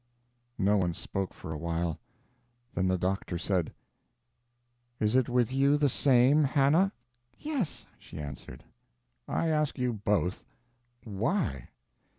No one spoke for a while; then the doctor said: "Is it with you the same, Hannah?" "Yes," she answered. "I ask you both why?"